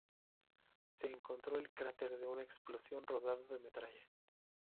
Se encontró el cráter de una explosión rodeado de metralla.